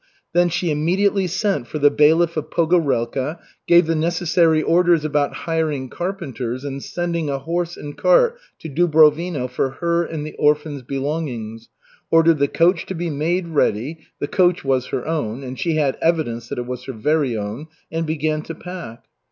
Then she immediately sent for the bailiff of Pogorelka, gave the necessary orders about hiring carpenters and sending a horse and cart to Dubrovino for her and the orphans' belongings, ordered the coach to be made ready (the coach was her own, and she had evidence that it was her very own), and began to pack.